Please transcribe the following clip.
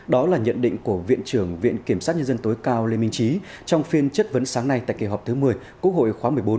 đó là nhận định của viện trưởng viện kiểm sát nhân dân tối cao lê minh trí trong phiên chất vấn sáng nay tại kỳ họp thứ một mươi quốc hội khóa một mươi bốn